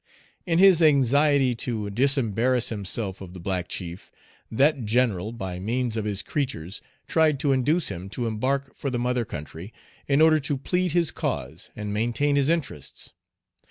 In his anxiety to disembarrass himself of the black chief, that general, by means of his creatures, tried to induce him to embark for the mother country, in order to plead his cause and maintain his interests.